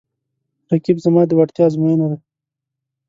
رقیب زما د وړتیا ازموینه ده